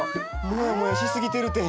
もやもやし過ぎてるて。